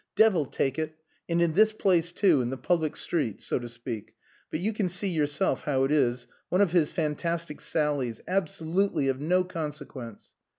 "Devil take it! And in this place, too, in the public street, so to speak. But you can see yourself how it is. One of his fantastic sallies. Absolutely of no consequence."